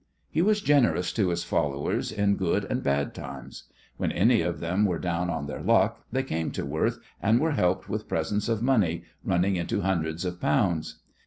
He was generous to his followers in good and bad times. When any of them were down on their luck they came to Worth, and were helped with presents of money running into hundreds of pounds.